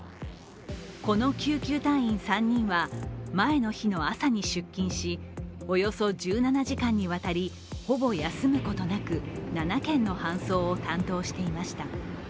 この救急隊員３人は前の日の朝に出勤しおよそ１７時間にわたり、ほぼ休むことなく、７件の搬送を担当していました。